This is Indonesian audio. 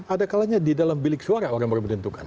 ada kalanya di dalam bilik suara orang baru menentukan